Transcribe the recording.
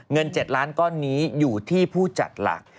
เงิน๗ล้านก้อนนี้อยู่ที่ผู้จัดหลัก